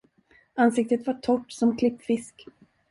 Ansiktet var torrt som klippfisk.